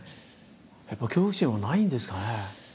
やっぱ恐怖心はないんですかね？